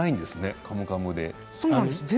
「カムカム」で。